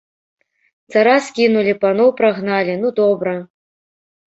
Цара скінулі, паноў прагналі, ну, добра.